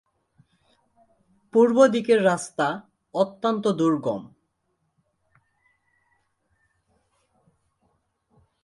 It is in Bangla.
পূর্বদিকের রাস্তা অত্যন্ত দুর্গম।